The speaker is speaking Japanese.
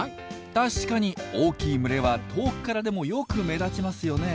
確かに大きい群れは遠くからでもよく目立ちますよね。